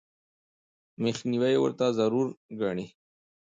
مخنیوي ورته ضروري ګڼي.